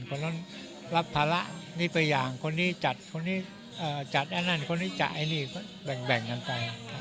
คนนั้นรับภาระนี้ไปอย่างคนนี้จัดคนนี้จัดไอ้นั่นคนนี้จัดไอ้นี่ก็แบ่งกันไป